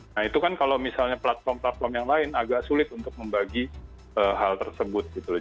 nah itu kan kalau misalnya platform platform yang lain agak sulit untuk membagi hal tersebut gitu loh